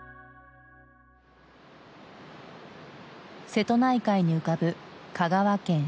瀬戸内海に浮かぶ香川県志々島。